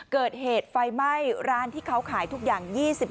เกิดเหตุไฟไม่ร้านที่เขาขายทุกอย่าง๒๐บาทนะครับ